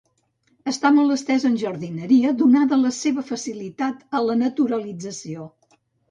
Està molt estès en jardineria donada la seva facilitat a la naturalització.